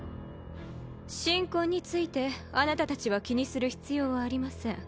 神婚についてあなたたちは気にする必要はありません。